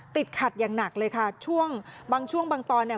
ติดขัดอย่างหนักเลยค่ะช่วงบางช่วงบางตอนเนี่ย